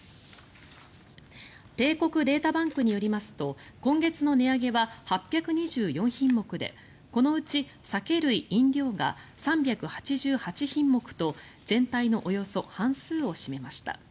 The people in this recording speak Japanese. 帝国データバンクによりますと今月の値上げは８２４品目でこのうち酒類・飲料が３８８品目と全体のおよそ半数を占めました。